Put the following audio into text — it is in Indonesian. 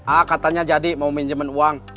ah katanya jadi mau minjemen uang